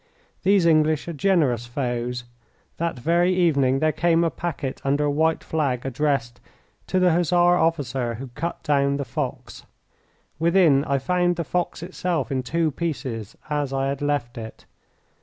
These English are generous foes. That very evening there came a packet under a white flag addressed "To the Hussar officer who cut down the fox." Within, I found the fox itself in two pieces, as I had left it.